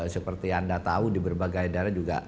seperti anda tahu di berbagai daerah juga